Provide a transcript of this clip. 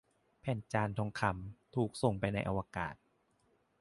แผ่นจานทองคำ ถูกส่งไปในอวกาศ